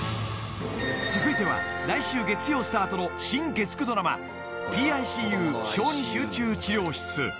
［続いては来週月曜スタートの新月９ドラマ『ＰＩＣＵ小児集中治療室』］